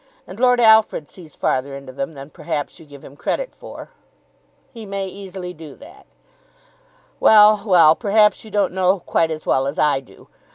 And Lord Alfred sees farther into them than perhaps you give him credit for." "He may easily do that." "Well, well. Perhaps you don't know him quite as well as I do."